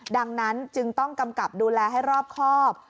ดังนั้นจึงต้องกำกับดูแลให้รอบครอบ